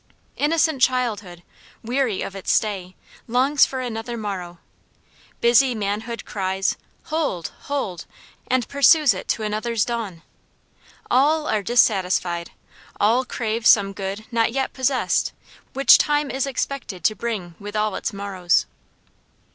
Innocent childhood, weary of its stay, longs for another morrow; busy manhood cries, hold! hold! and pursues it to another's dawn. All are dissatisfied. All crave some good not yet possessed, which time is expected to bring with all its morrows.